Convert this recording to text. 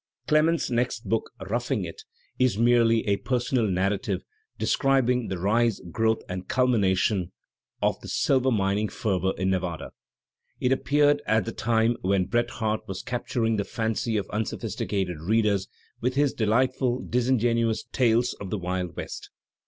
Clemens's next book, "^Roughing It," is "merely a per sonal narrative" describing "the rise, growth and culmination of the silver mining fever in Nevada." It appeared at the time when Bret Harte was capturing the fancy of unso phisticated readers with his delightful, disingenuous tales of the Wild West.